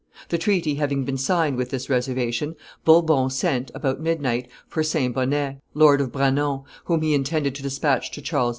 The treaty having been signed with this reservation, Bourbon sent, about midnight, for Saint Bonnet, Lord of Branon, whom he intended to despatch to Charles V.